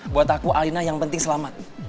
buat aku alina yang penting selamat